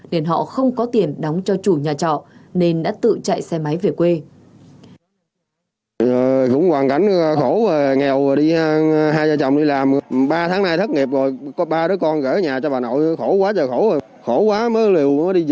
nên họ không có tiền đóng cho chủ nhà trọ nên đã tự chạy xe máy về quê